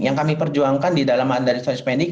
yang kami perjuangkan di dalam mandas storage spending